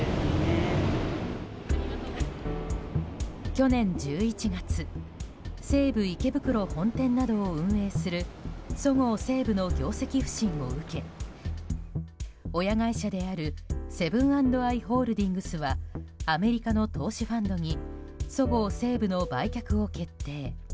去年１１月西武池袋本店などを運営するそごう・西武の業績不振を受け親会社である、セブン＆アイ・ホールディングスはアメリカの投資ファンドにそごう・西武の売却を決定。